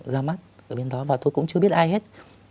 ra mắt ở bên đó và tôi cũng chưa biết ai hết